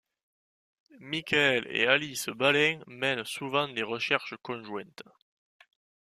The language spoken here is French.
Michael et Alice Balint mènent souvent des recherches conjointes.